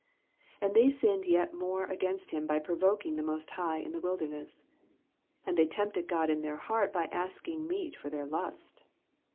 17 And they sinned yet more against him by provoking the most High in the wilderness. 18 And they tempted God in their heart by asking meat for their lust.